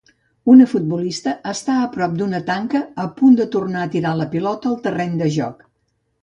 Una futbolista està a prop d'una tanca a punt de tornar a tirar la pilota al terreny de joc.